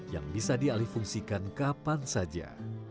yang bisa dialih fungsikan kapan saja